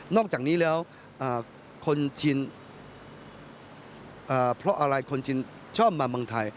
นอกจากนี้แล้วคนจีนก็ชอบมาเมืองไทย